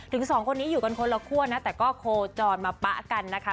สองคนนี้อยู่กันคนละครัวนะแต่ก็โคจรมาปะกันนะคะ